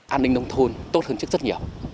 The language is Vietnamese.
an ninh đông thôn tốt hơn trước rất nhiều